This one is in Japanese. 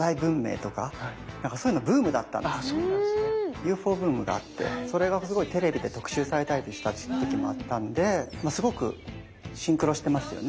ＵＦＯブームがあってそれがすごいテレビで特集されたりとした時もあったんでまあすごくシンクロしてますよね。